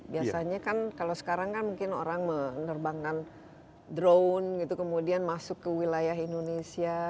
biasanya kan kalau sekarang kan mungkin orang menerbangkan drone gitu kemudian masuk ke wilayah indonesia